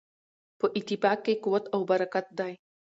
په اتفاق کې قوت او برکت دی.